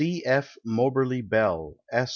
C. F. Moberly Bell, Esq.